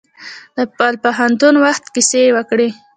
د خپل پوهنتون وخت کیسې یې وکړې.